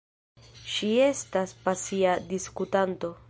Ŝi estas pasia diskutanto.